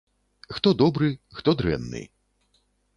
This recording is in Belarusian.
Хто добры, хто дрэнны?